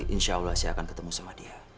insya allah saya akan ketemu sama dia